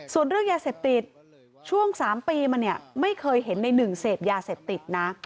ส่วนเรื่องยาเสพติดช่วง๓ปีมาเนี่ยไม่เคยเห็นในหนึ่งเสพยาเสพติดนะ